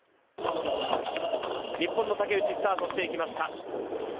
日本の竹内、スタートしていきました。